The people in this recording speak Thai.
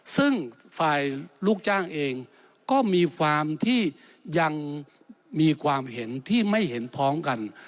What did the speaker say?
ซึ่งฝ่ายลูกจ้างเองก็มีความที่ยังมีความเห็นที่ไม่เห็นพ้องกัน